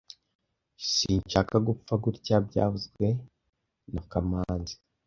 Sinshaka gupfa gutya byavuzwe na kamanzi